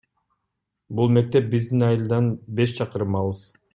Бул мектеп биздин айылдан беш чакырым алыс.